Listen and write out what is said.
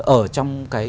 ở trong cái